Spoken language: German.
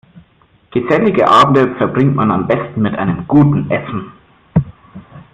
Gesellige Abende verbringt man am besten mit gutem Essen.